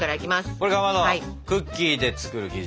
これかまどクッキーで作る生地ですね。